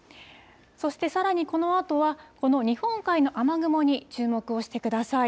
そしてさらにこのあとは、この日本海の雨雲に注目をしてください。